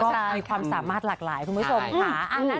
ก็มีความสามารถหลากหลายคุณผู้ชมค่ะ